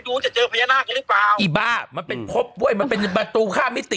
จะเจอพญานาคกันหรือเปล่าอีบ้ามันเป็นพบเว้ยมันเป็นประตูข้ามมิติ